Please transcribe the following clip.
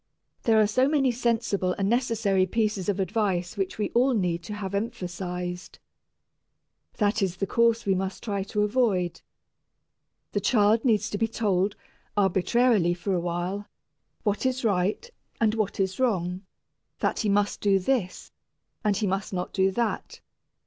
There are so many sensible and necessary pieces of advice which we all need to have emphasized. That is the course we must try to avoid. The child needs to be told, arbitrarily for a while, what is right, and what is wrong, that he must do this, and he must not do that.